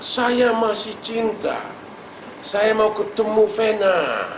saya masih cinta saya mau ketemu vena